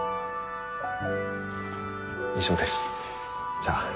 以上ですじゃあ。